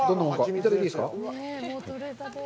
いただいていいですか？